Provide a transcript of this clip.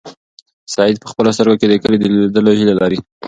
سعید په خپلو سترګو کې د کلي د لیدلو هیله لري.